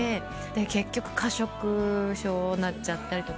結局過食症なっちゃったりとか。